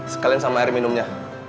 sekalian sama air minumnya